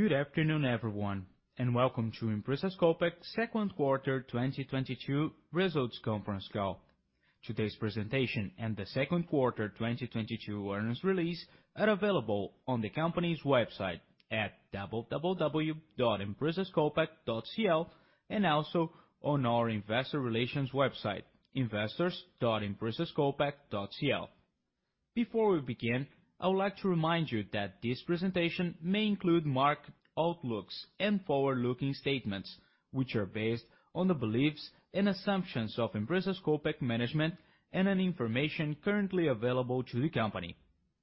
Good afternoon, everyone, and welcome to Empresas Copec's Q2 2022 Results Conference call. Today's presentation and the second quarter 2022 earnings release are available on the company's website at www.empresascopec.cl, and also on our investor relations website, investors.empresascopec.cl. Before we begin, I would like to remind you that this presentation may include market outlooks and forward-looking statements, which are based on the beliefs and assumptions of Empresas Copec management and information currently available to the company.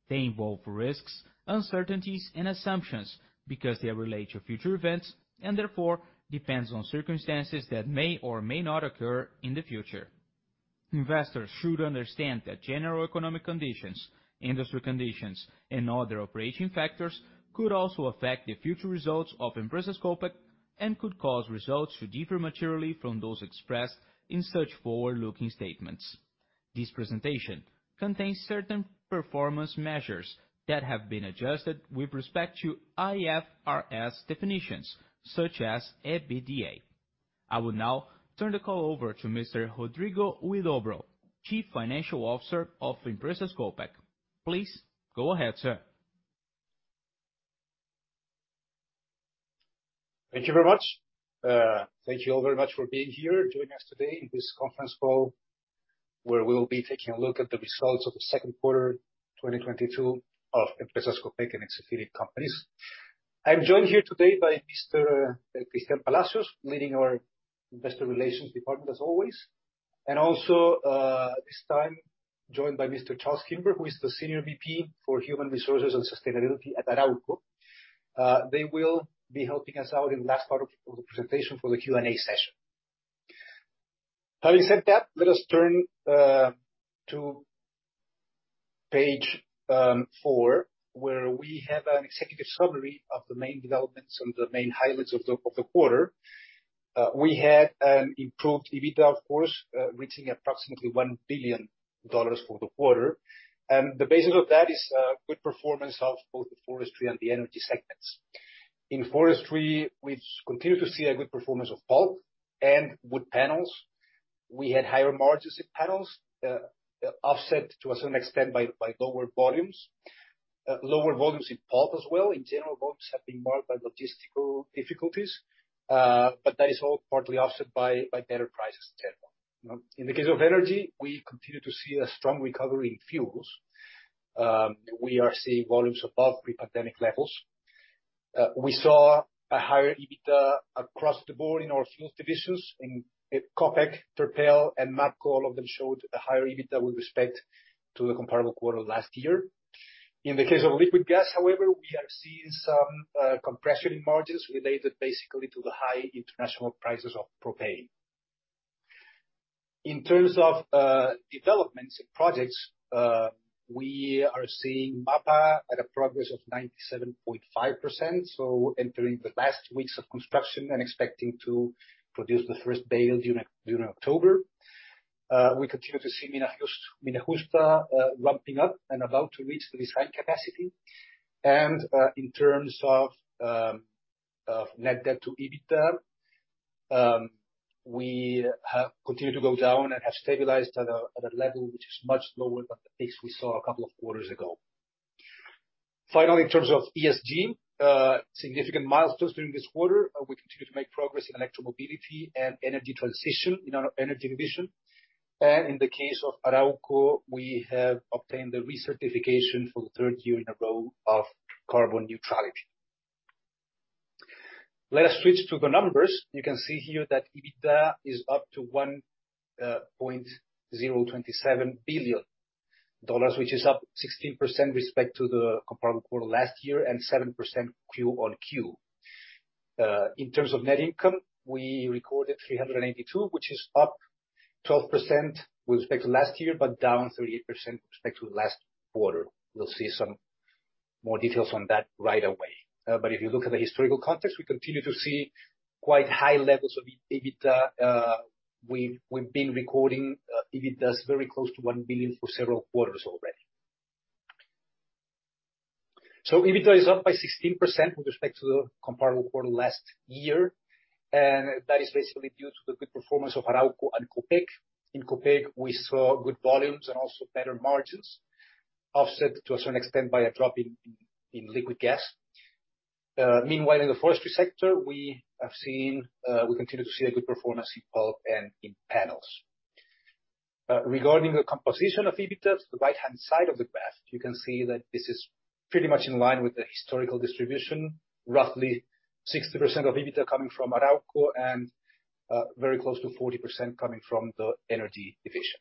They involve risks, uncertainties, and assumptions because they are related to future events, and therefore depend on circumstances that may or may not occur in the future. Investors should understand that general economic conditions, industry conditions, and other operating factors could also affect the future results of Empresas Copec and could cause results to differ materially from those expressed in such forward-looking statements. This presentation contains certain performance measures that have been adjusted with respect to IFRS definitions, such as EBITDA. I would now turn the call over to Mr. Rodrigo Huidobro, Chief Financial Officer of Empresas Copec. Please go ahead, sir. Thank you very much. Thank you all very much for being here, joining us today in this conference call, where we will be taking a look at the results of the Q2 2022 of Empresas Copec and its affiliate companies. I'm joined here today by Mr. Cristián Palacios, leading our investor relations department as always. Also, this time joined by Mr. Charles Kimber, who is the Senior VP for Human Resources and Sustainability at Arauco. They will be helping us out in the last part of the presentation for the Q&A session. Having said that, let us turn to page four, where we have an executive summary of the main developments and the main highlights of the quarter. We had an improved EBITDA, of course, reaching approximately $1 billion for the quarter. The basis of that is good performance of both the forestry and the energy segments. In forestry, we continue to see a good performance of pulp and wood panels. We had higher margins in panels, offset to a certain extent by lower volumes. Lower volumes in pulp as well. In general, volumes have been marked by logistical difficulties, but that is all partly offset by better prices in general, you know. In the case of energy, we continue to see a strong recovery in fuels. We are seeing volumes above pre-pandemic levels. We saw a higher EBITDA across the board in our fuels divisions. In Copec, Terpel, and Mapco, all of them showed a higher EBITDA with respect to the comparable quarter last year. In the case of liquid gas, however, we are seeing some compression in margins related basically to the high international prices of propane. In terms of developments in projects, we are seeing MAPA at a progress of 97.5%, so entering the last weeks of construction and expecting to produce the first bale during October. We continue to see Mina Justa ramping up and about to reach the design capacity. In terms of net debt to EBITDA, we have continued to go down and have stabilized at a level which is much lower than the peaks we saw a couple of quarters ago. Finally, in terms of ESG, significant milestones during this quarter. We continue to make progress in electric mobility and energy transition in our energy division. In the case of Arauco, we have obtained the recertification for the third year in a row of carbon neutrality. Let us switch to the numbers. You can see here that EBITDA is up to $1.027 billion, which is up 16% with respect to the comparable quarter last year and 7% Q-o-Q. In terms of net income, we recorded $382 million, which is up 12% with respect to last year, but down 38% with respect to the last quarter. We'll see some more details on that right away. But if you look at the historical context, we continue to see quite high levels of EBITDA. We've been recording EBITDAs very close to $1 billion for several quarters already. EBITDA is up by 16% with respect to the comparable quarter last year, and that is basically due to the good performance of Arauco and Copec. In Copec, we saw good volumes and also better margins, offset to a certain extent by a drop in liquid gas. Meanwhile, in the forestry sector, we continue to see a good performance in pulp and in panels. Regarding the composition of EBITDA, the right-hand side of the graph, you can see that this is pretty much in line with the historical distribution. Roughly 60% of EBITDA coming from Arauco and very close to 40% coming from the energy division.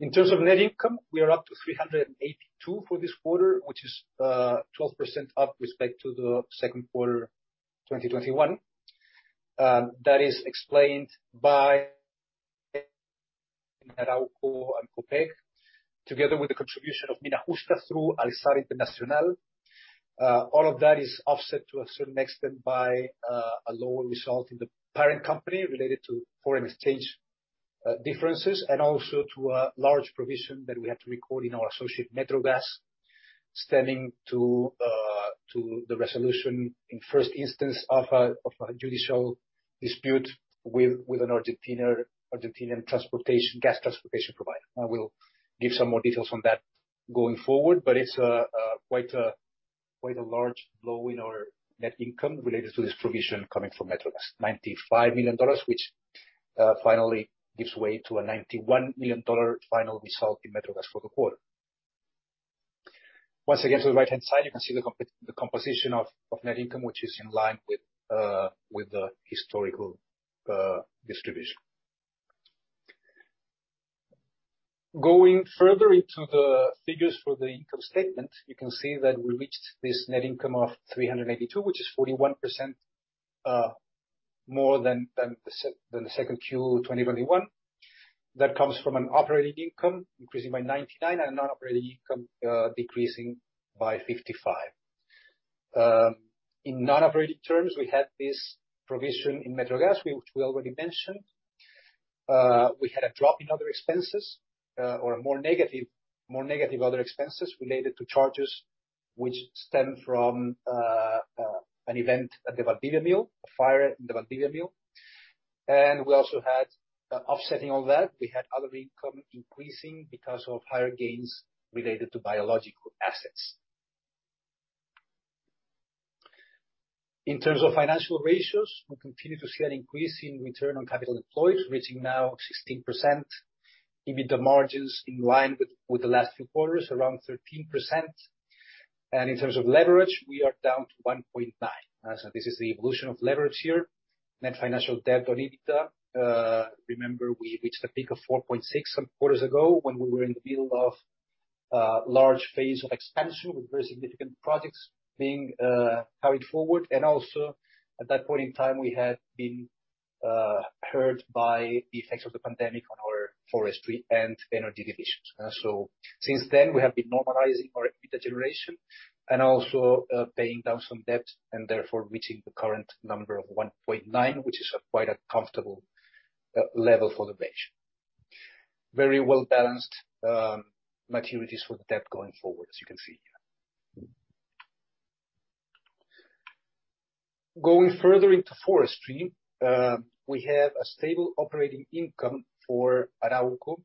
In terms of net income, we are up to 382 for this quarter, which is 12% up with respect to the Q2 2021. That is explained by Arauco and Copec, together with the contribution of Mina Justa through Alxar Internacional. All of that is offset to a certain extent by a lower result in the parent company related to foreign exchange differences and also to a large provision that we have to record in our associate Metrogas, stemming from the resolution in first instance of a judicial dispute with an Argentinian gas transportation provider. I will give some more details on that going forward, but it's quite a large blow in our net income related to this provision coming from Metrogas. $95 million, which finally gives way to a $91 million final result in Metrogas for the quarter. Once again, to the right-hand side, you can see the composition of net income, which is in line with the historical distribution. Going further into the figures for the income statement, you can see that we reached this net income of 382, which is 41% more than the Q2 2021. That comes from an operating income increasing by 99, and a non-operating income decreasing by 55. In non-operating terms, we had this provision in Metrogas, which we already mentioned. We had a drop in other expenses or a more negative other expenses related to charges which stem from an event at the Valdivia mill, a fire in the Valdivia mill. We also had, offsetting all that, we had other income increasing because of higher gains related to biological assets. In terms of financial ratios, we continue to see an increase in return on capital employed, reaching now 16%. EBITDA margins in line with the last few quarters, around 13%. In terms of leverage, we are down to 1.9. This is the evolution of leverage here. Net financial debt on EBITDA, remember we reached a peak of 4.6 some quarters ago when we were in the middle of large phase of expansion, with very significant projects being carried forward. At that point in time, we had been hurt by the effects of the pandemic on our forestry and energy divisions. Since then, we have been normalizing our EBITDA generation and also paying down some debt, and therefore reaching the current number of 1.9, which is quite a comfortable level for the bank. Very well-balanced maturities for the debt going forward, as you can see here. Going further into forestry, we have a stable operating income for Arauco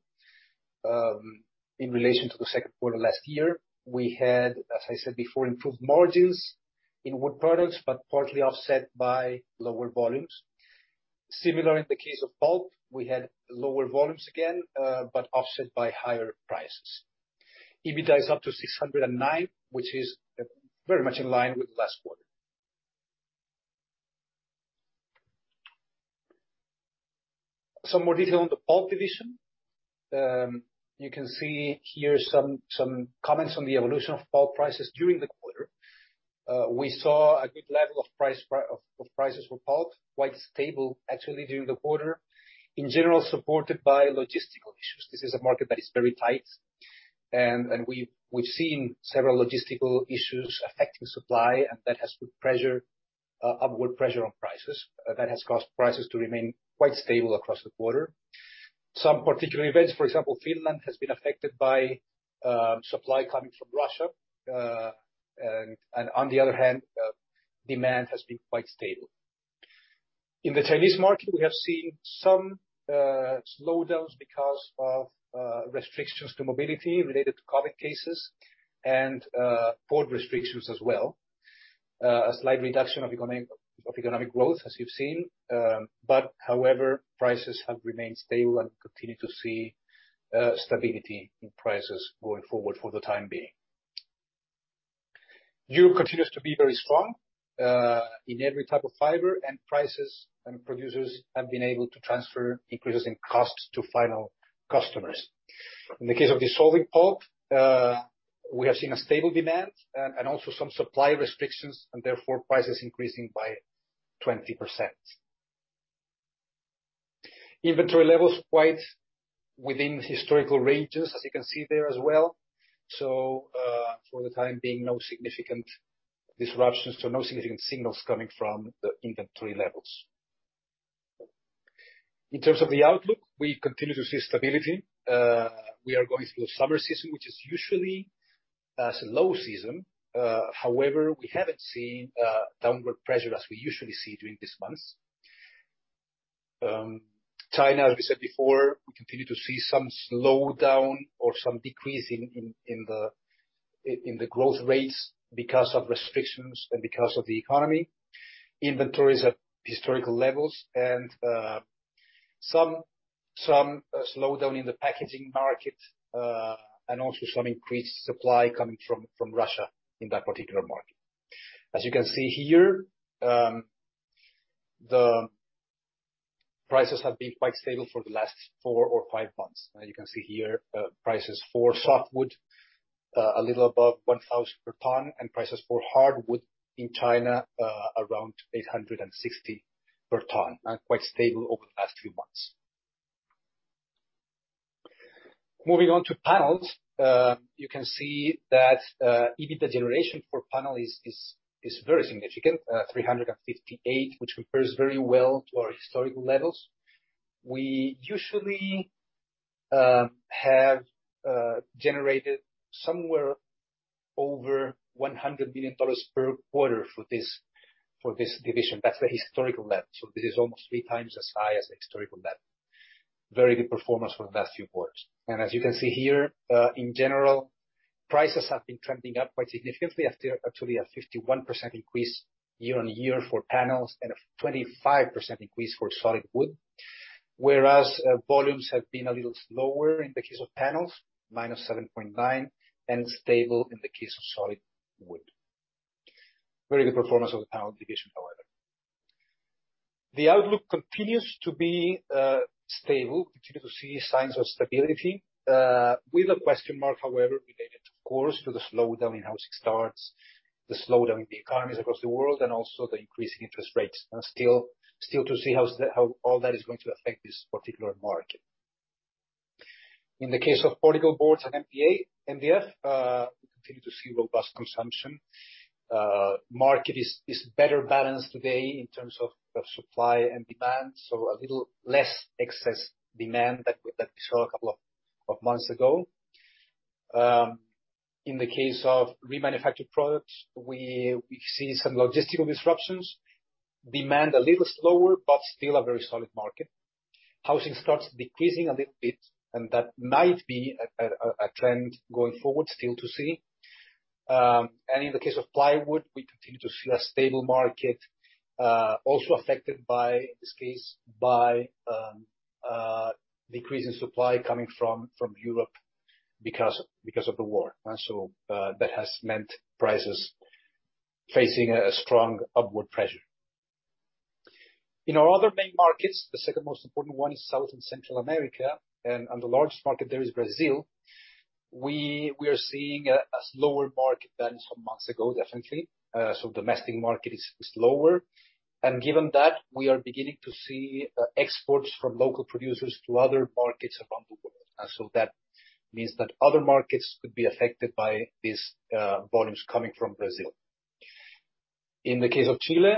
in relation to the Q2 last year. We had, as I said before, improved margins in wood products, but partly offset by lower volumes. Similar in the case of pulp, we had lower volumes again, but offset by higher prices. EBITDA is up to 609, which is very much in line with last quarter. Some more detail on the pulp division. You can see here some comments on the evolution of pulp prices during the quarter. We saw a good level of prices for pulp, quite stable actually during the quarter. In general, supported by logistical issues. This is a market that is very tight and we've seen several logistical issues affecting supply, and that has put pressure, upward pressure on prices. That has caused prices to remain quite stable across the quarter. Some particular events, for example, Finland has been affected by supply coming from Russia. On the other hand, demand has been quite stable. In the Chinese market, we have seen some slowdowns because of restrictions to mobility related to COVID cases and port restrictions as well. A slight reduction of economic growth, as you've seen. Prices have remained stable and continue to see stability in prices going forward for the time being. Europe continues to be very strong in every type of fiber and prices, and producers have been able to transfer increases in costs to final customers. In the case of dissolving pulp, we have seen a stable demand and also some supply restrictions, and therefore prices increasing by 20%. Inventory levels quite within historical ranges, as you can see there as well. For the time being, no significant disruptions, so no significant signals coming from the inventory levels. In terms of the outlook, we continue to see stability. We are going through a summer season, which is usually it's a low season. However, we haven't seen downward pressure as we usually see during these months. China, as we said before, we continue to see some slowdown or some decrease in the growth rates because of restrictions and because of the economy. Inventories at historical levels and some slowdown in the packaging market and also some increased supply coming from Russia in that particular market. As you can see here, the prices have been quite stable for the last four or five months. You can see here, prices for softwood a little above 1,000 per ton, and prices for hardwood in China around 860 per ton, and quite stable over the last few months. Moving on to panels, you can see that, EBITDA generation for panel is very significant, 358, which compares very well to our historical levels. We usually have generated somewhere over $100 million per quarter for this division. That's the historical level. This is almost three times as high as the historical level. Very good performance for the last few quarters. As you can see here, in general, prices have been trending up quite significantly after actually a 51% increase year-over-year for panels and a 25% increase for solid wood. Whereas, volumes have been a little slower in the case of panels, -7.9%, and stable in the case of solid wood. Very good performance of the panel division, however. The outlook continues to be stable. Continue to see signs of stability, with a question mark, however, related of course to the slowdown in housing starts, the slowdown in the economies across the world, and also the increasing interest rates. Still to see how all that is going to affect this particular market. In the case of particle boards and MDP-MDF, we continue to see robust consumption. Market is better balanced today in terms of supply and demand, so a little less excess demand than we saw a couple of months ago. In the case of remanufactured products, we see some logistical disruptions. Demand a little slower, but still a very solid market. Housing starts decreasing a little bit, and that might be a trend going forward, still to see. In the case of plywood, we continue to see a stable market, also affected by, in this case, by decrease in supply coming from Europe because of the war. That has meant prices facing a strong upward pressure. In our other main markets, the second most important one is South and Central America, and the largest market there is Brazil. We are seeing a slower market than some months ago, definitely. Domestic market is lower. Given that, we are beginning to see exports from local producers to other markets around the world. That means that other markets could be affected by these volumes coming from Brazil. In the case of Chile,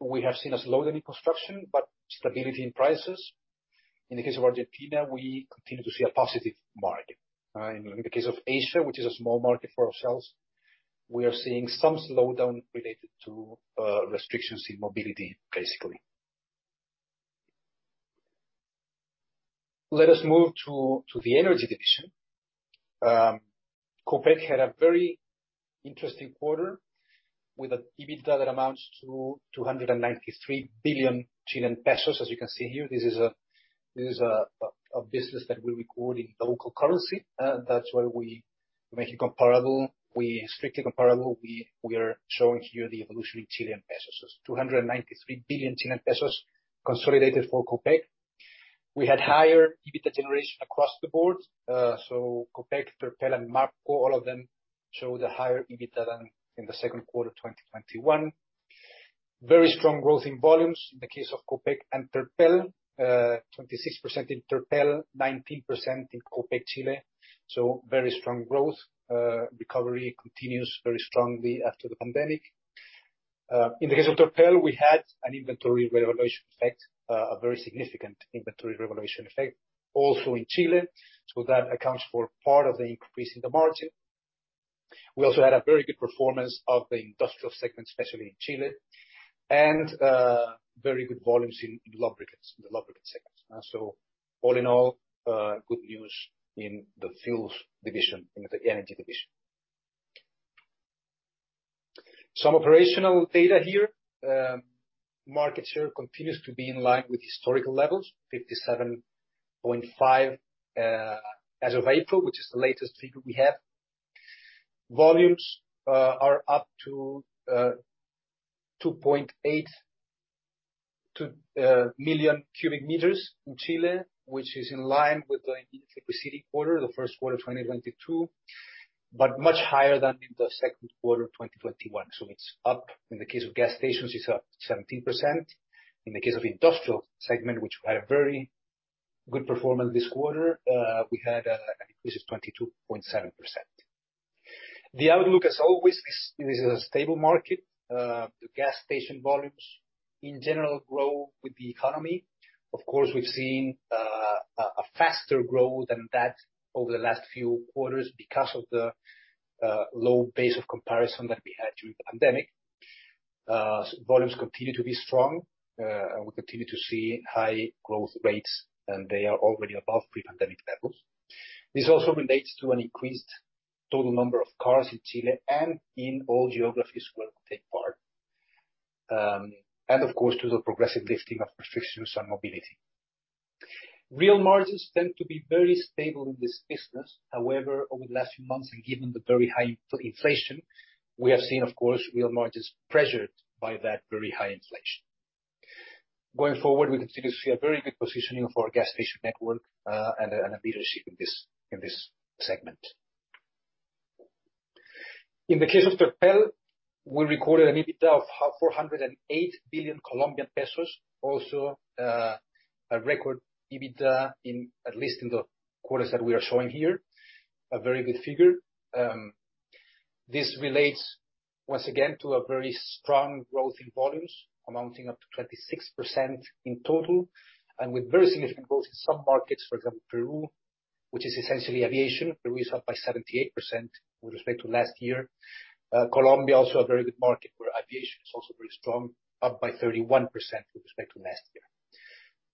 we have seen a slowdown in construction, but stability in prices. In the case of Argentina, we continue to see a positive market. In the case of Asia, which is a small market for ourselves, we are seeing some slowdown related to restrictions in mobility, basically. Let us move to the energy division. Copec had a very interesting quarter with an EBITDA that amounts to 293 billion Chilean pesos, as you can see here. This is a business that we record in the local currency, that's why we make it comparable. Strictly comparable, we are showing here the evolution in Chilean pesos. 293 billion Chilean pesos consolidated for Copec. We had higher EBITDA generation across the board. Copec, Terpel, and Mapco, all of them showed a higher EBITDA than in the Q2 2021. Very strong growth in volumes in the case of Copec and Terpel. 26% in Terpel, 19% in Copec Chile. Very strong growth. Recovery continues very strongly after the pandemic. In the case of Terpel, we had an inventory revaluation effect, a very significant inventory revaluation effect. Also in Chile, so that accounts for part of the increase in the margin. We also had a very good performance of the industrial segment, especially in Chile, and very good volumes in lubricants, in the lubricants segment. All in all, good news in the fuels division, in the energy division. Some operational data here. Market share continues to be in line with historical levels, 57.5% as of April, which is the latest figure we have. Volumes are up to 2.8 million cubic meters in Chile, which is in line with the immediately preceding quarter, the Q1 of 2022, but much higher than in the Q2 of 2021. It's up, in the case of gas stations, it's up 17%. In the case of industrial segment, which had a very good performance this quarter, we had an increase of 22.7%. The outlook as always is, it is a stable market. The gas station volumes in general grow with the economy. Of course, we've seen a faster growth than that over the last few quarters because of the low base of comparison that we had during the pandemic. Volumes continue to be strong, and we continue to see high growth rates, and they are already above pre-pandemic levels. This also relates to an increased total number of cars in Chile and in all geographies where we take part, of course, to the progressive lifting of restrictions on mobility. Real margins tend to be very stable in this business. However, over the last few months, and given the very high inflation, we have seen, of course, real margins pressured by that very high inflation. Going forward, we continue to see a very good positioning of our gas station network, and leadership in this segment. In the case of Terpel, we recorded an EBITDA of COP 408 billion. Also, a record EBITDA, at least in the quarters that we are showing here. A very good figure. This relates once again to a very strong growth in volumes, amounting up to 26% in total, and with very significant growth in some markets, for example, Peru, which is essentially aviation. Peru is up by 78% with respect to last year. Colombia, also a very good market where aviation is also very strong, up by 31% with respect to last year.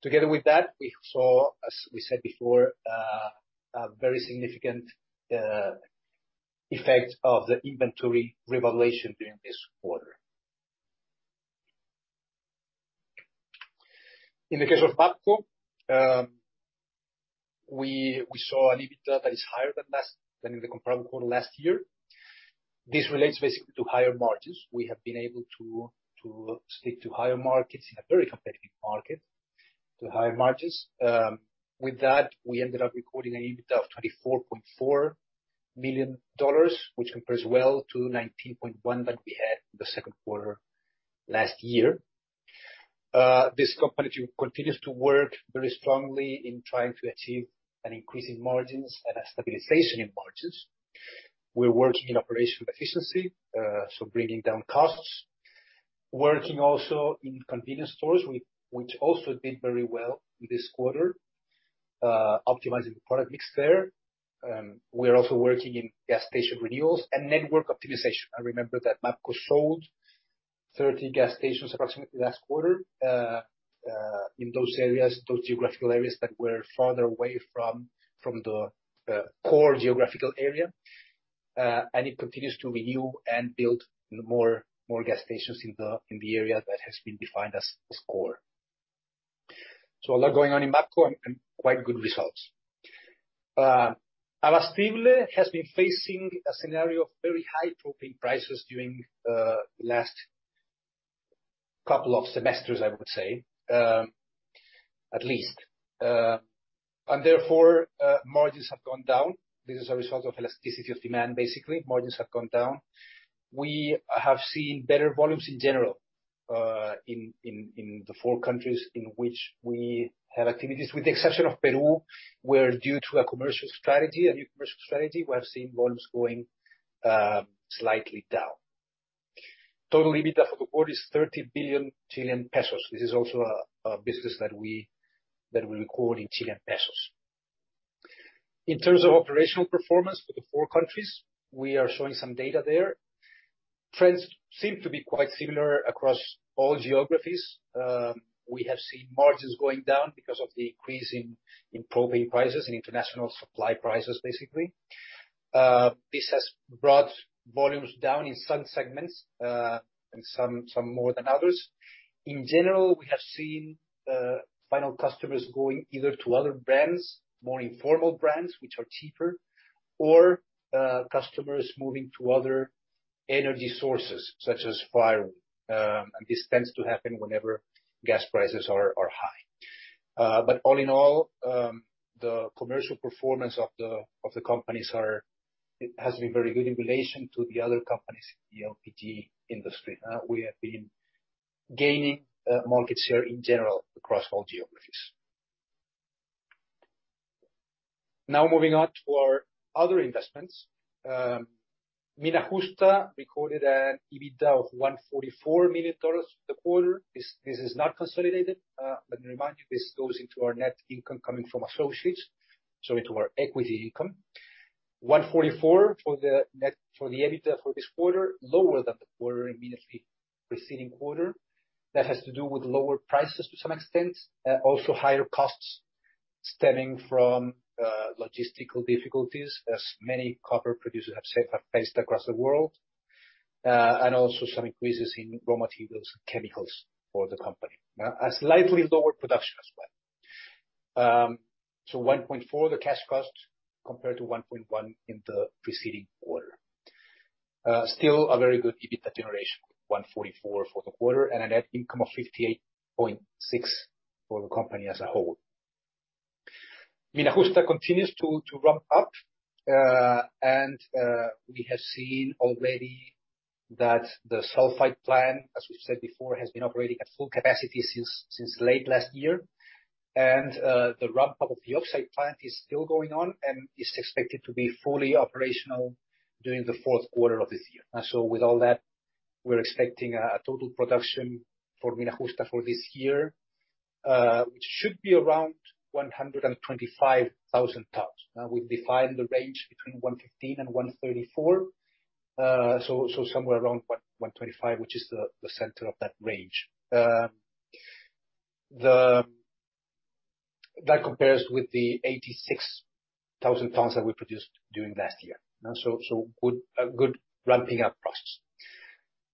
Together with that, we saw, as we said before, a very significant effect of the inventory revaluation during this quarter. In the case of Mapco, we saw an EBITDA that is higher than in the comparable quarter last year. This relates basically to higher margins. We have been able to stick to higher markets, in a very competitive market, to higher margins. With that, we ended up recording an EBITDA of $24.4 million, which compares well to $19.1 million that we had in the second quarter last year. This company continues to work very strongly in trying to achieve an increase in margins and a stabilization in margins. We're working in operational efficiency, so bringing down costs. Working also in convenience stores, which also did very well this quarter, optimizing the product mix there. We are also working in gas station renewals and network optimization. Remember that Mapco sold 30 gas stations approximately last quarter, in those areas, those geographical areas that were farther away from the core geographical area. It continues to renew and build more gas stations in the area that has been defined as core. A lot going on in Mapco, and quite good results. Abastible has been facing a scenario of very high propane prices during the last couple of semesters, I would say, at least. And therefore, margins have gone down. This is a result of elasticity of demand, basically. Margins have gone down. We have seen better volumes in general, in the four countries in which we have activities, with the exception of Peru, where due to a commercial strategy, a new commercial strategy, we have seen volumes going slightly down. Total EBITDA for the quarter is 30 billion Chilean pesos. This is also a business that we record in Chilean pesos. In terms of operational performance for the four countries, we are showing some data there. Trends seem to be quite similar across all geographies. We have seen margins going down because of the increase in propane prices and international supply prices, basically. This has brought volumes down in some segments, and some more than others. In general, we have seen final customers going either to other brands, more informal brands, which are cheaper, or customers moving to other energy sources such as firewood. This tends to happen whenever gas prices are high. All in all, the commercial performance of the companies has been very good in relation to the other companies in the LPG industry. We have been gaining market share in general across all geographies. Now moving on to our other investments. Mina Justa recorded an EBITDA of $144 million for the quarter. This is not consolidated. Let me remind you, this goes into our net income coming from associates, so into our equity income. $144 for the net, for the EBITDA for this quarter, lower than the immediately preceding quarter. That has to do with lower prices to some extent, also higher costs stemming from logistical difficulties, as many copper producers have faced across the world. Also some increases in raw materials and chemicals for the company. Now, a slightly lower production as well. $1.4, the cash cost, compared to $1.1 in the preceding quarter. Still a very good EBITDA generation, $144 for the quarter, and a net income of $58.6 for the company as a whole. Mina Justa continues to ramp up, we have seen already that the sulfide plant, as we've said before, has been operating at full capacity since late last year. The ramp up of the oxide plant is still going on, and is expected to be fully operational during the fourth quarter of this year. With all that, we're expecting a total production for Mina Justa for this year, which should be around 125,000 tons. We've defined the range between 115,0000 tons and 134,000 tons. Somewhere around 125,000 tons, which is the center of that range. That compares with the 86,000 tons that we produced during last year. Good ramping up process.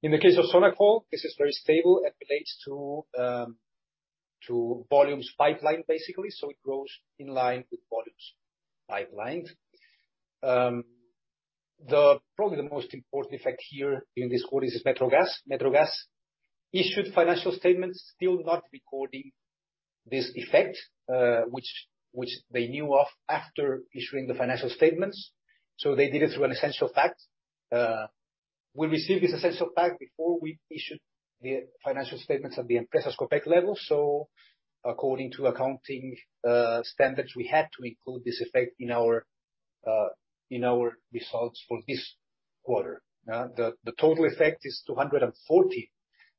In the case of Sonacol, this is very stable. It relates to volumes pipelined, basically, so it grows in line with volumes pipelined. Probably the most important effect here in this quarter is Metrogas. Metrogas issued financial statements still not recording this effect, which they knew of after issuing the financial statements, so they did it through an essential fact. We received this essential fact before we issued the financial statements at the Empresas Copec level. According to accounting standards, we had to include this effect in our results for this quarter. The total effect is $240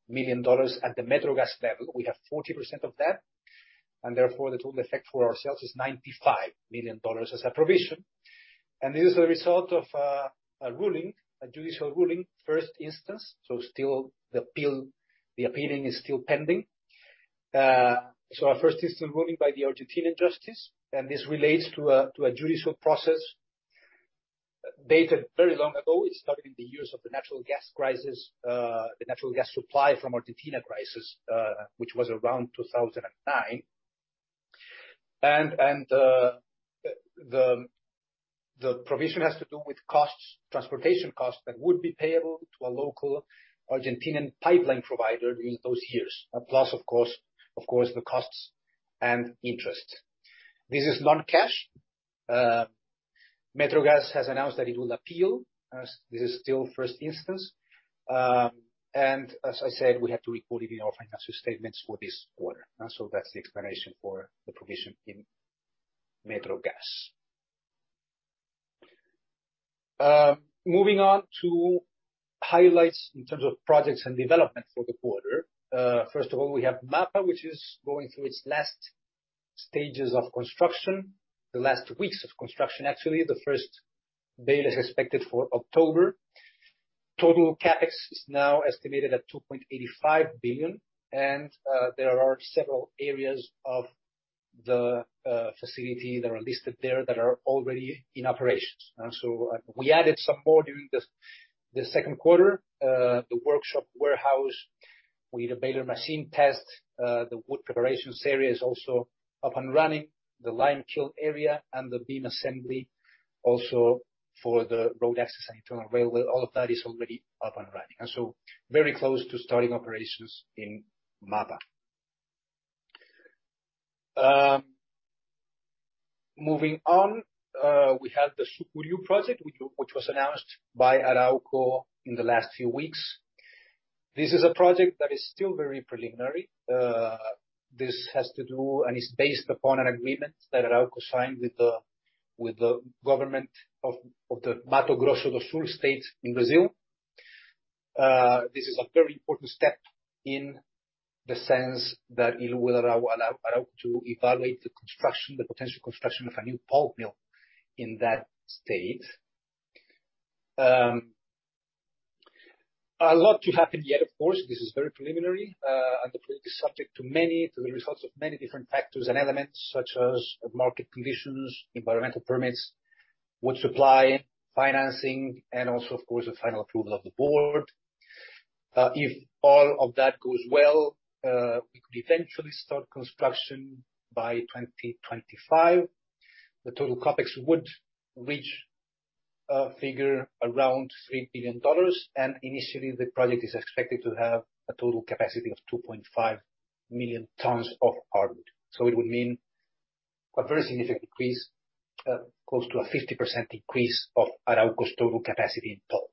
million at the Metrogas level. We have 40% of that, and therefore the total effect for ourselves is $95 million as a provision. This is a result of a ruling, a judicial ruling, first instance. The appeal is still pending. A first instance ruling by the Argentine justice, and this relates to a judicial process dated very long ago. It started in the years of the natural gas supply from Argentina crisis, which was around 2009. The provision has to do with costs, transportation costs, that would be payable to a local Argentine pipeline provider during those years. Plus, of course, the costs and interest. This is non-cash. Metrogas has announced that it will appeal, as this is still first instance. As I said, we have to report it in our financial statements for this quarter. That's the explanation for the provision in Metrogas. Moving on to highlights in terms of projects and development for the quarter. First of all, we have MAPA, which is going through its last stages of construction, the last weeks of construction, actually. The first bale is expected for October. Total CapEx is now estimated at 2.85 billion. There are several areas of the facility that are listed there that are already in operations. So we added some more during the Q2. The workshop warehouse with a baler machine test. The wood preparations area is also up and running. The lime kiln area and the beam assembly also for the road access and internal railway, all of that is already up and running. Very close to starting operations in MAPA. Moving on, we have the Sucuriú project, which was announced by Arauco in the last few weeks. This is a project that is still very preliminary. This has to do and is based upon an agreement that Arauco signed with the government of the Mato Grosso do Sul state in Brazil. This is a very important step in the sense that it will allow Arauco to evaluate the construction, the potential construction of a new pulp mill in that state. A lot to happen yet, of course. This is very preliminary, and the project is subject to the results of many different factors and elements, such as market conditions, environmental permits, wood supply, financing, and also, of course, the final approval of the board. If all of that goes well, we could eventually start construction by 2025. The total CapEx would reach a figure around $3 billion. Initially, the project is expected to have a total capacity of 2.5 million tons of hardwood. It would mean a very significant increase, close to a 50% increase of Arauco's total capacity in pulp.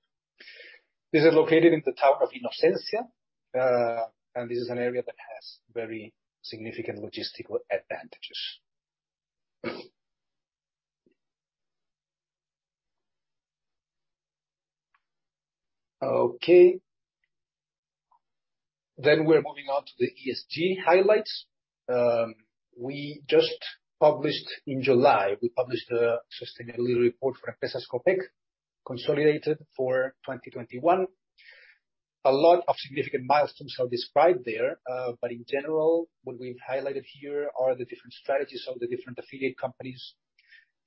This is located in the town of Inocência, and this is an area that has very significant logistical advantages. We're moving on to the ESG highlights. We just published, in July, a sustainability report for Empresas Copec, consolidated for 2021. A lot of significant milestones are described there. In general, what we've highlighted here are the different strategies of the different affiliate companies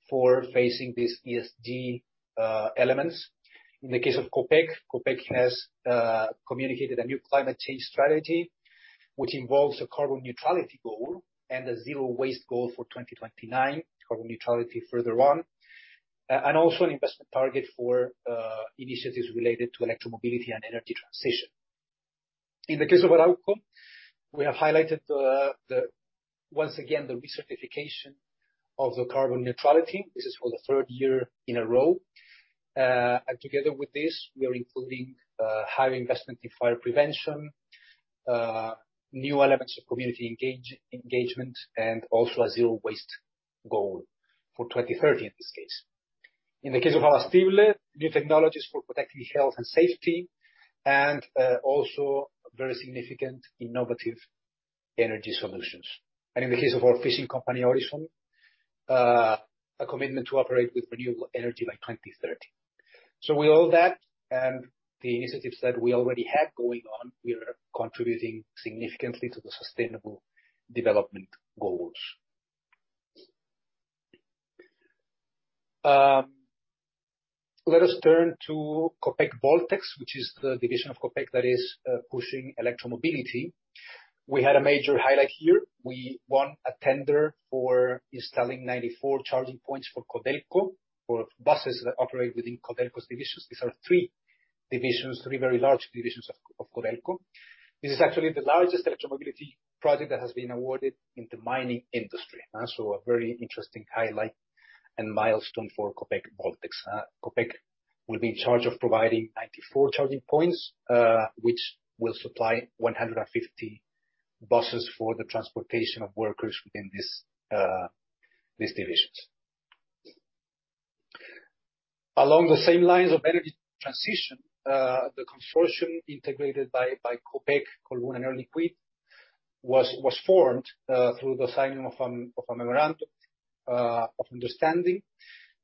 for facing these ESG elements. In the case of Copec has communicated a new climate change strategy, which involves a carbon neutrality goal and a zero waste goal for 2029, carbon neutrality further on, and also an investment target for initiatives related to electromobility and energy transition. In the case of Arauco, we have highlighted once again the recertification of the carbon neutrality. This is for the third year in a row. Together with this, we are including high investment in fire prevention, new elements of community engagement, and also a zero waste goal for 2030 in this case. In the case of Abastible, new technologies for protecting health and safety, and also very significant innovative energy solutions. In the case of our fishing company, Orizon, a commitment to operate with renewable energy by 2030. With all that, and the initiatives that we already had going on, we are contributing significantly to the sustainable development goals. Let us turn to Copec Voltex, which is the division of Copec that is pushing electromobility. We had a major highlight here. We won a tender for installing 94 charging points for Codelco, for buses that operate within Codelco's divisions. These are three divisions, three very large divisions of Codelco. This is actually the largest electromobility project that has been awarded in the mining industry. A very interesting highlight and milestone for Copec Voltex. Copec will be in charge of providing 94 charging points, which will supply 150 buses for the transportation of workers within these divisions. Along the same lines of energy transition, the consortium integrated by Copec, Colbún and Air Liquide was formed through the signing of a memorandum of understanding.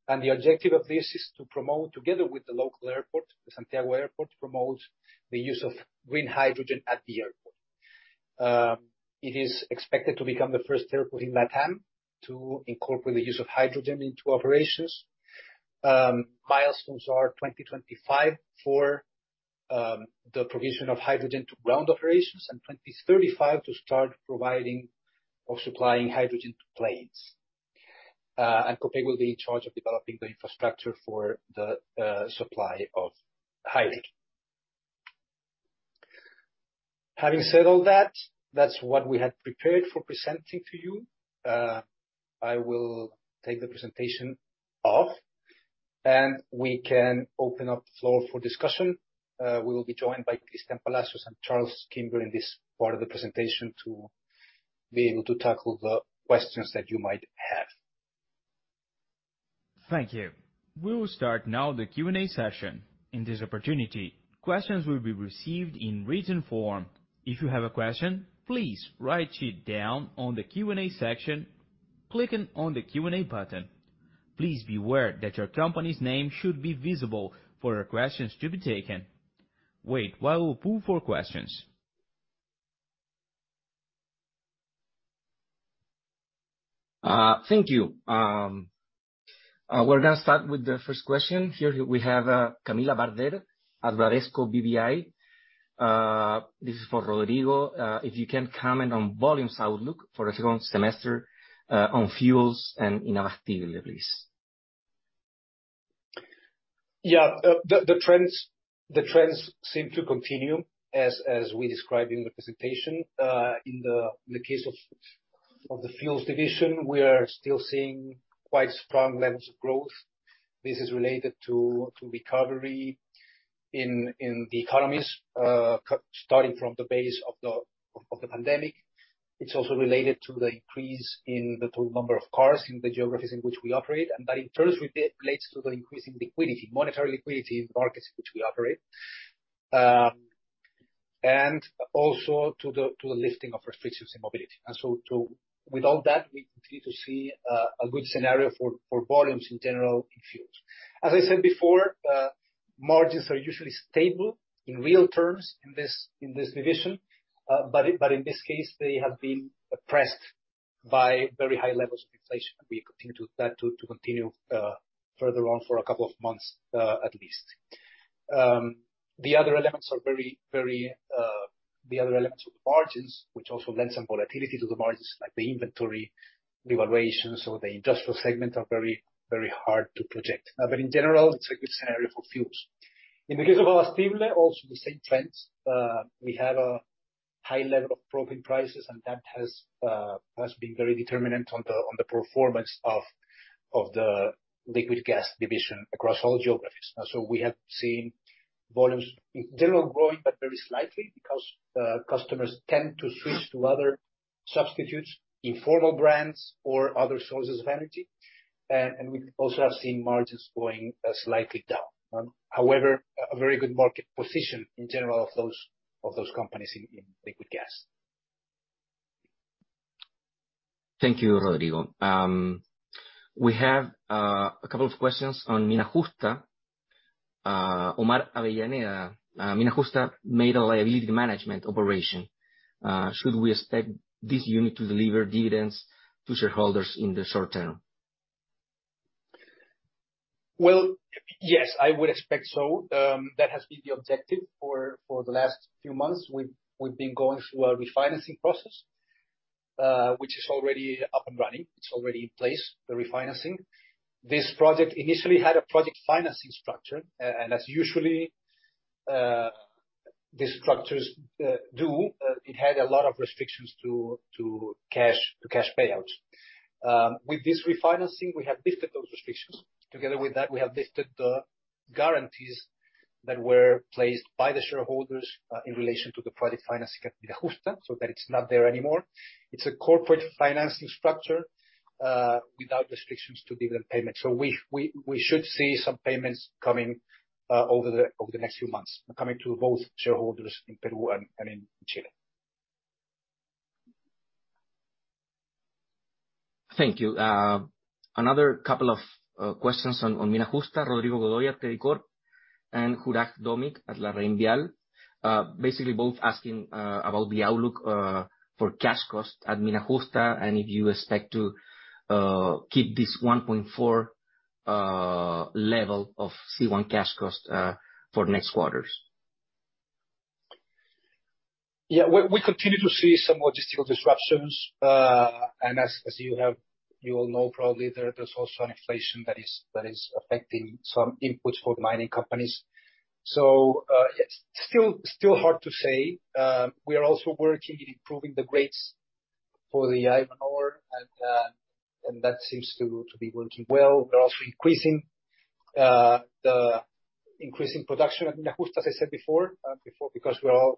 The objective of this is to promote, together with the local airport, the Santiago Airport, the use of green hydrogen at the airport. It is expected to become the first airport in LatAm to incorporate the use of hydrogen into operations. Milestones are 2025 for the provision of hydrogen to ground operations and 2035 to start providing or supplying hydrogen to planes. Copec will be in charge of developing the infrastructure for the supply of hydrogen. Having said all that's what we had prepared for presenting to you. I will take the presentation off, and we can open up the floor for discussion. We will be joined by Cristián Palacios and Charles Kimber in this part of the presentation to be able to tackle the questions that you might have. Thank you. We will start now the Q&A session. In this opportunity, questions will be received in written form. If you have a question, please write it down on the Q&A section, clicking on the Q&A button. Please be aware that your company's name should be visible for your questions to be taken. Wait while we poll for questions. Thank you. We're gonna start with the first question. Here we have Camila Barter at Bradesco BBI. This is for Rodrigo. If you can comment on volumes outlook for the second semester, on fuels and in Yeah. The trends seem to continue as we described in the presentation. In the case of the fuels division, we are still seeing quite strong levels of growth. This is related to recovery in the economies starting from the base of the pandemic. It's also related to the increase in the total number of cars in the geographies in which we operate. That in turn relates to the increase in liquidity, monetary liquidity in the markets in which we operate. Also to the lifting of restrictions in mobility. With all that, we continue to see a good scenario for volumes in general in fuels. As I said before, margins are usually stable in real terms in this division, but in this case, they have been oppressed by very high levels of inflation. We continue that to continue further on for a couple of months, at least. The other elements of the margins, which also lend some volatility to the margins, like the inventory devaluations or the industrial segment, are very hard to project. In general, it's a good scenario for fuels. In the case of Abastible, also the same trends. We have a high level of propane prices, and that has been very determinant on the performance of the liquid gas division across all geographies. We also have seen margins going slightly down. However, a very good market position in general of those companies in liquid gas. Thank you, Rodrigo. We have a couple of questions on Mina Justa. Omar Avellaneda, Mina Justa made a liability management operation. Should we expect this unit to deliver dividends to shareholders in the short term? Well, yes, I would expect so. That has been the objective for the last few months. We've been going through a refinancing process, which is already up and running. It's already in place, the refinancing. This project initially had a project financing structure. As usual, these structures had a lot of restrictions to cash payouts. With this refinancing, we have lifted those restrictions. Together with that, we have lifted the guarantees that were placed by the shareholders in relation to the project financing at Mina Justa, so that it's not there anymore. It's a corporate financing structure without restrictions to dividend payment. We should see some payments coming over the next few months, coming to both shareholders in Peru and in Chile. Thank you. Another couple of questions on Mina Justa. Rodrigo Godoy at Credicorp. Juraj Domic at LarrainVial. Basically both asking about the outlook for cash costs at Mina Justa, and if you expect to keep this 1.4 level of C1 cash cost for next quarters. We continue to see some logistical disruptions. As you all know probably, there's also an inflation that is affecting some inputs for mining companies. It's still hard to say. We are also working in improving the grades for the iron ore and that seems to be going well. We're also increasing production at Mina Justa, as I said before, because we are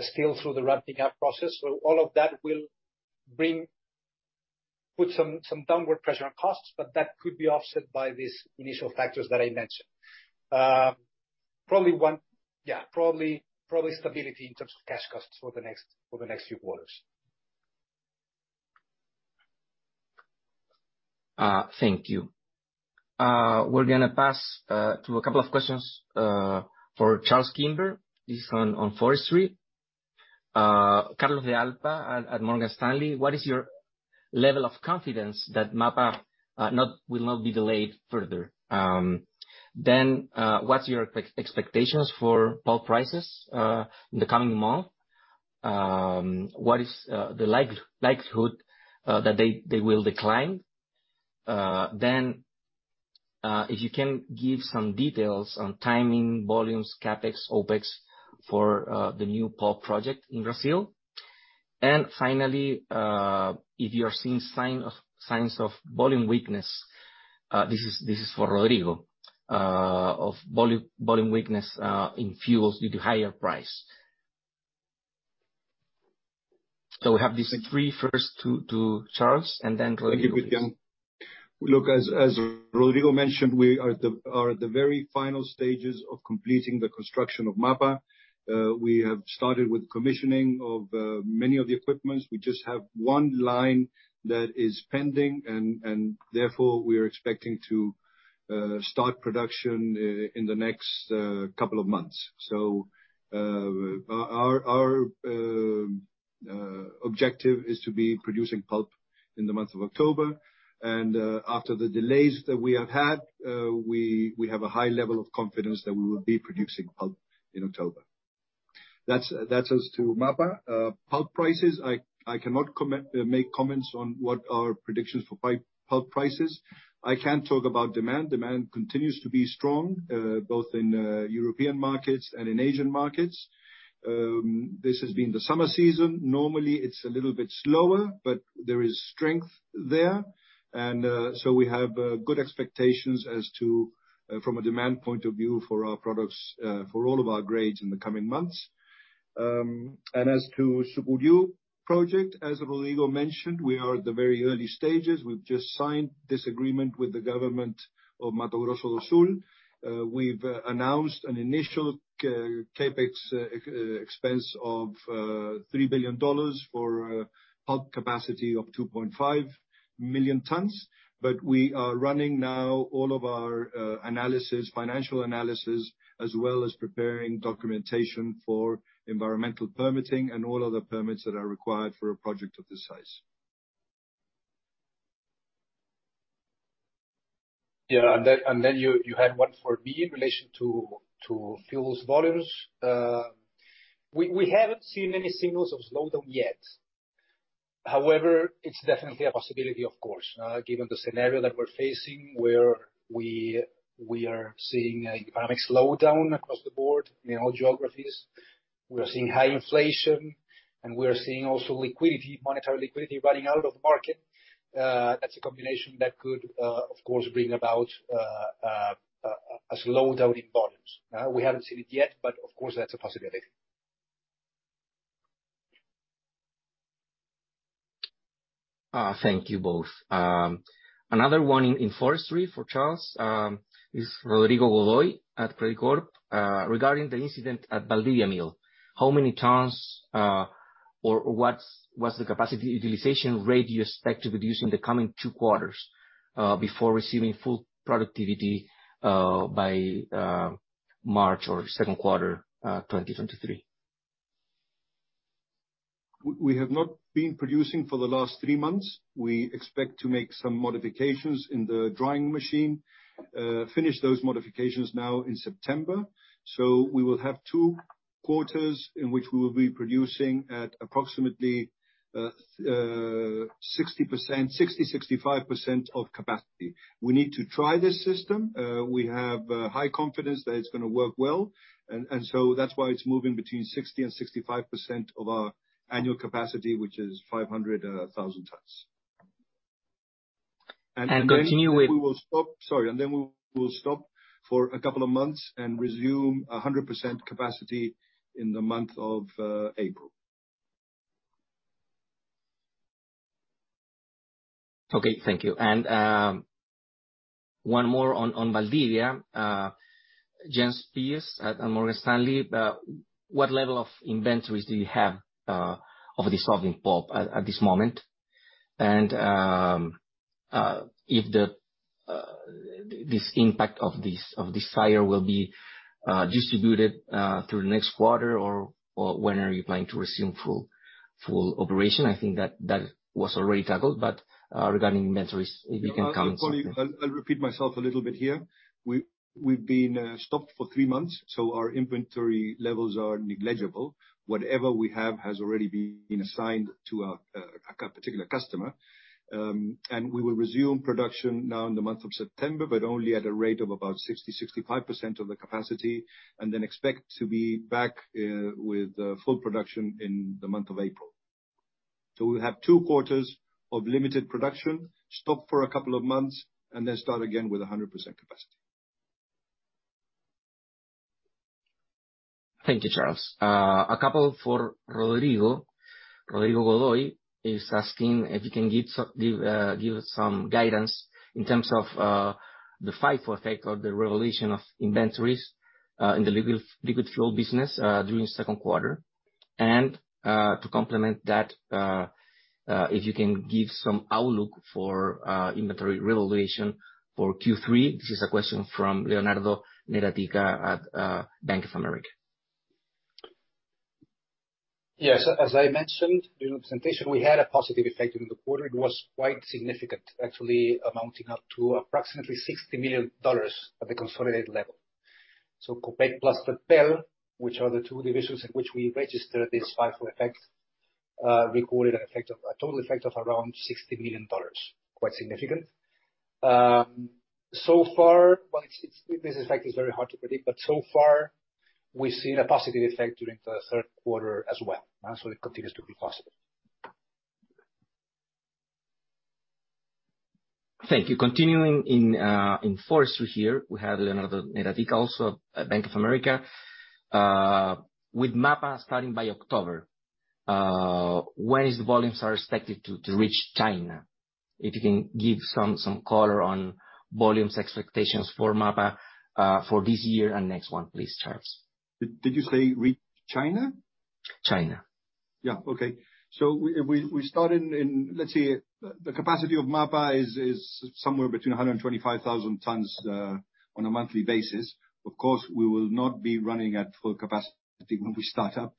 still through the ramping up process. All of that will put some downward pressure on costs, but that could be offset by these initial factors that I mentioned. Probably stability in terms of cash costs for the next few quarters. Thank you. We're gonna pass to a couple of questions for Charles Kimber. This one on forestry. Carlos de Alba at Morgan Stanley: What is your level of confidence that MAPA will not be delayed further? Then, what's your expectations for pulp prices in the coming month? What is the likelihood that they will decline? Then, if you can give some details on timing, volumes, CapEx, OpEx for the new pulp project in Brazil. And finally, if you are seeing signs of volume weakness, this is for Rodrigo, of volume weakness in fuels due to higher price. We have these three first to Charles, and then Rodrigo, please. Thank you, Victor. Look, as Rodrigo mentioned, we are at the very final stages of completing the construction of MAPA. We have started with commissioning of many of the equipments. We just have one line that is pending and therefore we are expecting to start production in the next couple of months. Our objective is to be producing pulp in the month of October. After the delays that we have had, we have a high level of confidence that we will be producing pulp in October. That's as to MAPA. Pulp prices, I cannot make comments on what our predictions for pulp prices. I can talk about demand. Demand continues to be strong, both in European markets and in Asian markets. This has been the summer season. Normally it's a little bit slower, but there is strength there. We have good expectations as to from a demand point of view for our products for all of our grades in the coming months. As to Sucuriú project, as Rodrigo mentioned, we are at the very early stages. We've just signed this agreement with the government of Mato Grosso do Sul. We've announced an initial CapEx expense of $3 billion for pulp capacity of 2.5 million tons. We are running now all of our analysis, financial analysis, as well as preparing documentation for environmental permitting and all other permits that are required for a project of this size. Yeah. You had one for me in relation to fuels volumes. We haven't seen any signals of slowdown yet. However, it's definitely a possibility, of course, given the scenario that we're facing, where we are seeing an economic slowdown across the board in all geographies. We are seeing high inflation, and we are seeing also monetary liquidity running out of the market. That's a combination that could, of course, bring about a slowdown in volumes. We haven't seen it yet, but of course that's a possibility. Thank you both. Another one in forestry for Charles is Rodrigo Godoy at Credicorp. Regarding the incident at Valdivia Mill, how many tons or what's the capacity utilization rate you expect to produce in the coming two quarters before receiving full productivity by March or Q2 2023? We have not been producing for the last three months. We expect to make some modifications in the drying machine, finish those modifications now in September. We will have two quarters in which we will be producing at approximately 60%-65% of capacity. We need to try this system. We have high confidence that it's gonna work well. That's why it's moving between 60% and 65% of our annual capacity, which is 500,000 tons. And continue with- We'll stop for a couple of months and resume 100% capacity in the month of April. Okay, thank you. One more on Valdivia. Jens Spiess at Morgan Stanley. What level of inventories do you have of the dissolving pulp at this moment? If this impact of this fire will be distributed through next quarter or when are you planning to resume full operation? I think that was already tackled, but regarding inventories, if you can comment something. I'll probably repeat myself a little bit here. We've been stopped for three months, so our inventory levels are negligible. Whatever we have has already been assigned to a particular customer. We will resume production now in the month of September, but only at a rate of about 65% of the capacity, and then expect to be back with full production in the month of April. We'll have two quarters of limited production, stop for a couple of months, and then start again with 100% capacity. Thank you, Charles. A couple for Rodrigo. Rodrigo Godoy is asking if you can give some guidance in terms of the FIFO effect or the revaluation of inventories in the liquid fuel business during Q2. To complement that, if you can give some outlook for inventory revaluation for Q3. This is a question from Leonardo Neratika at Bank of America. Yes. As I mentioned during the presentation, we had a positive effect during the quarter. It was quite significant, actually amounting up to approximately $60 million at the consolidated level. Copec plus Terpel, which are the two divisions in which we registered this FIFO effect, recorded a total effect of around $60 million. Quite significant. So far, it's this effect is very hard to predict, but so far we've seen a positive effect during the Q3 as well. It continues to be positive. Thank you. Continuing in forestry here, we have Leonardo Neratika, also at Bank of America. With MAPA starting by October, when are the volumes expected to reach China? If you can give some color on volumes expectations for MAPA, for this year and next one, please, Charles. Did you say reach China? China. Yeah. Okay. We started in, let's say, the capacity of MAPA is somewhere between 125,000 tons on a monthly basis. Of course, we will not be running at full capacity when we start up.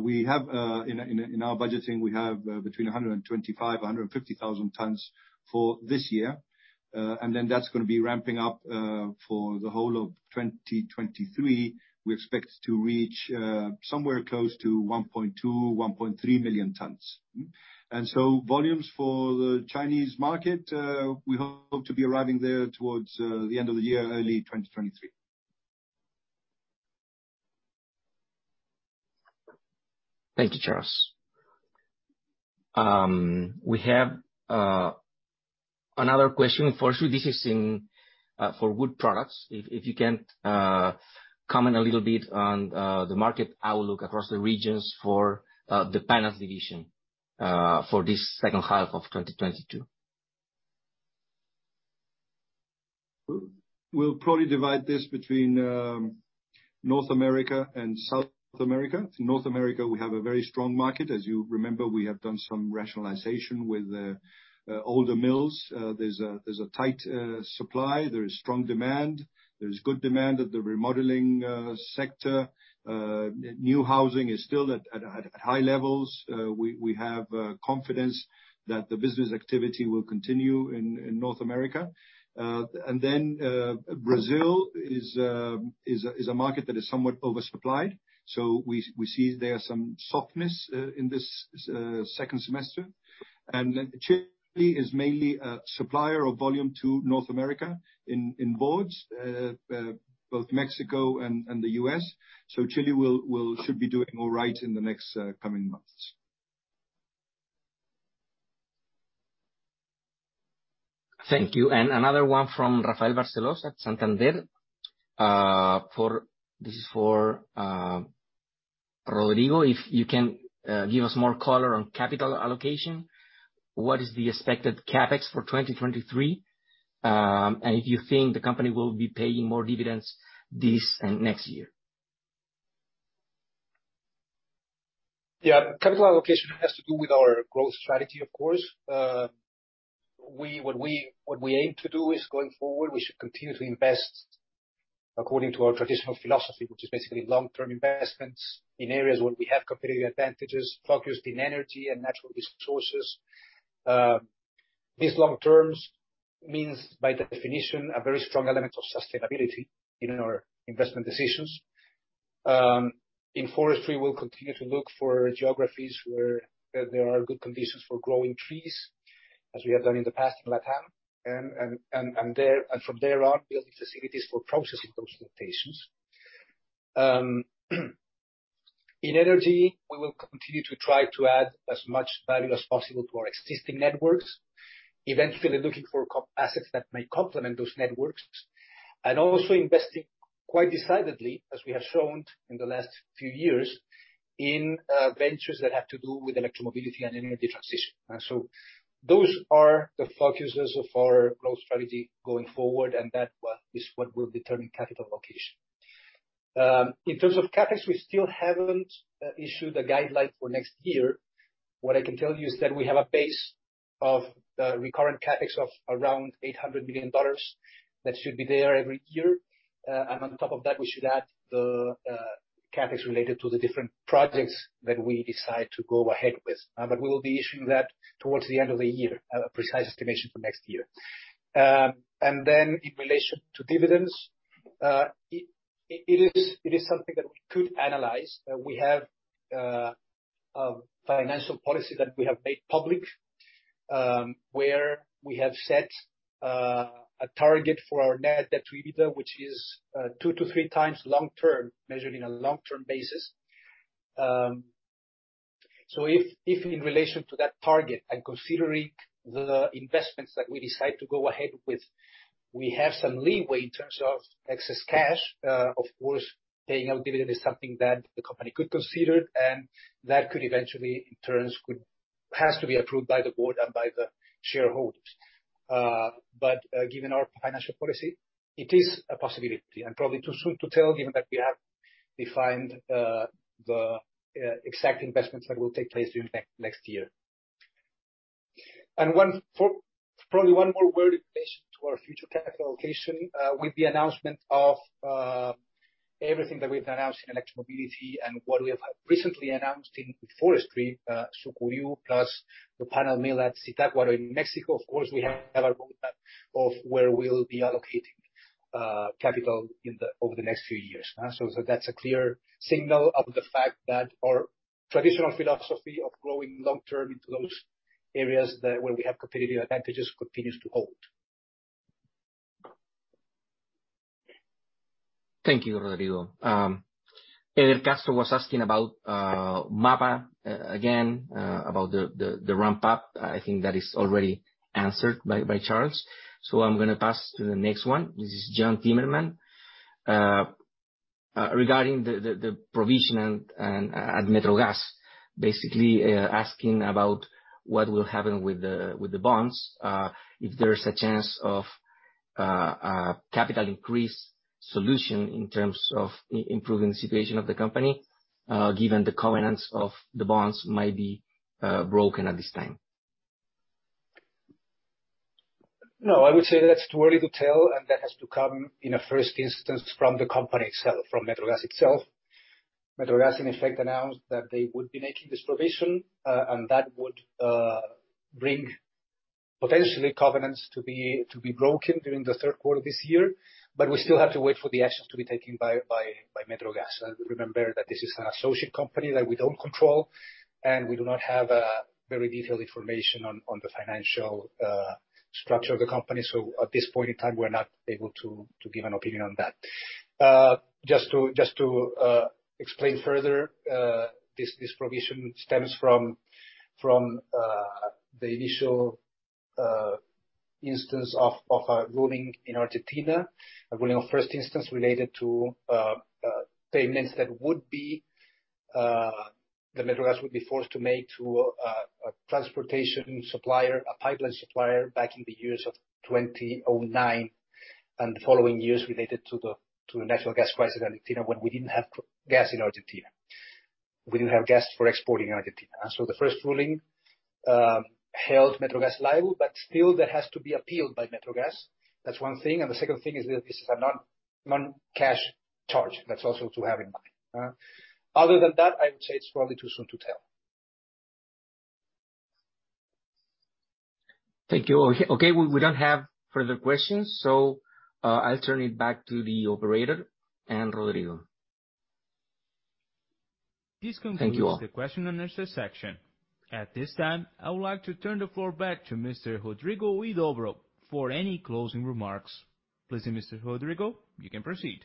We have in our budgeting, we have between 125,000 tons-150,000 tons for this year. That's gonna be ramping up for the whole of 2023. We expect to reach somewhere close to 1.2 million tons-1.3 million tons. Mm-hmm. Volumes for the Chinese market we hope to be arriving there towards the end of the year, early 2023. Thank you, Charles. We have another question for you. This is in for wood products. If you can comment a little bit on the market outlook across the regions for the panels division for this second half of 2022. We'll probably divide this between North America and South America. In North America, we have a very strong market. As you remember, we have done some rationalization with the older mills. There's a tight supply. There is strong demand. There's good demand at the remodeling sector. New housing is still at high levels. We have confidence that the business activity will continue in North America. Brazil is a market that is somewhat oversupplied. We see there some softness in this second semester. Chile is mainly a supplier of volume to North America in boards both Mexico and the U.S. Chile should be doing all right in the next coming months. Thank you. Another one from Rafael Barcelos at Santander. This is for Rodrigo. If you can give us more color on capital allocation. What is the expected CapEx for 2023? If you think the company will be paying more dividends this and next year. Yeah. Capital allocation has to do with our growth strategy, of course. What we aim to do is, going forward, we should continue to invest according to our traditional philosophy, which is basically long-term investments in areas where we have competitive advantages, focused in energy and natural resources. These long terms means, by definition, a very strong element of sustainability in our investment decisions. In forestry, we'll continue to look for geographies where there are good conditions for growing trees, as we have done in the past in LatAm. From there on, building facilities for processing those plantations. In energy, we will continue to try to add as much value as possible to our existing networks, eventually looking for assets that may complement those networks, and also investing quite decidedly, as we have shown in the last few years, in ventures that have to do with electromobility and energy transition. Those are the focuses of our growth strategy going forward, and that is what will determine capital allocation. In terms of CapEx, we still haven't issued a guideline for next year. What I can tell you is that we have a base of recurrent CapEx of around $800 million. That should be there every year. On top of that, we should add the CapEx related to the different projects that we decide to go ahead with. We will be issuing that towards the end of the year, a precise estimation for next year. In relation to dividends, it is something that we could analyze. We have a financial policy that we have made public, where we have set a target for our net debt to EBITDA, which is 2x-3x long-term, measured in a long-term basis. If in relation to that target, and considering the investments that we decide to go ahead with, we have some leeway in terms of excess cash, of course, paying out dividend is something that the company could consider, and that could eventually, in turn, has to be approved by the board and by the shareholders. Given our financial policy, it is a possibility, and probably too soon to tell, given that we haven't defined the exact investments that will take place during next year. Probably one more word in relation to our future capital allocation, with the announcement of everything that we've announced in electric mobility and what we have recently announced in forestry, Sucuriú, plus the panel mill at Zitácuaro in Mexico. Of course, we have a roadmap of where we'll be allocating capital over the next few years. That's a clear signal of the fact that our traditional philosophy of growing long-term into those areas where we have competitive advantages continues to hold. Thank you, Rodrigo. [Edgar Castro] was asking about MAPA again, about the ramp up. I think that is already answered by Charles. I'm gonna pass to the next one. This is [Jon Timmermann]. Regarding the provision and at Metrogas, basically, asking about what will happen with the bonds, if there's a chance of a capital increase solution in terms of improving the situation of the company, given the covenants of the bonds might be broken at this time. No, I would say that's too early to tell, and that has to come in a first instance from the company itself, from Metrogas itself. Metrogas, in effect, announced that they would be making this provision, and that would bring potentially covenants to be broken during the Q3 this year. We still have to wait for the actions to be taken by Metrogas. Remember that this is an associate company that we don't control, and we do not have very detailed information on the financial structure of the company. At this point in time, we're not able to give an opinion on that. Just to explain further, this provision stems from the initial instance of a ruling in Argentina, a ruling of first instance related to payments that Metrogas would be forced to make to a transportation supplier, a pipeline supplier back in the years of 2009 and the following years related to the natural gas crisis in Argentina when we didn't have gas in Argentina. We didn't have gas for export in Argentina. The first ruling held Metrogas liable, but still that has to be appealed by Metrogas. That's one thing. The second thing is that this is a non-cash charge. That's also to have in mind. Other than that, I would say it's probably too soon to tell. Thank you. Okay, we don't have further questions, so I'll turn it back to the operator and Rodrigo. This concludes. Thank you all. The question and answer section. At this time, I would like to turn the floor back to Mr. Rodrigo Huidobro for any closing remarks. Please, Mr. Rodrigo, you can proceed.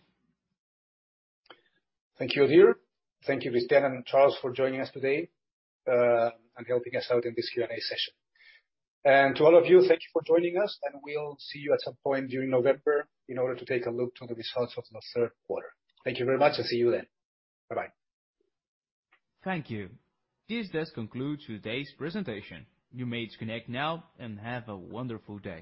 Thank you, [Odhir]. Thank you, Cristián and Charles, for joining us today, and helping us out in this Q&A session. To all of you, thank you for joining us, and we'll see you at some point during November in order to take a look at the results of the Q3. Thank you very much, and see you then. Bye-bye. Thank you. This does conclude today's presentation. You may disconnect now, and have a wonderful day.